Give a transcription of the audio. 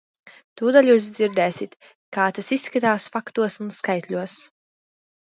Tūdaļ jūs dzirdēsit, kā tas izskatās faktos un skaitļos.